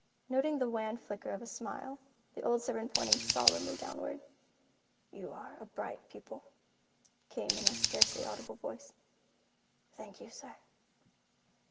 Noting the wan flicker of a smile, the old servant pointed solemnly downward. "You are a bright pupil," came in a scarcely audible voice. "Thank you, sir."